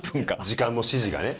時間の指示がね。